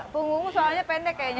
punggungmu soalnya pendek kayaknya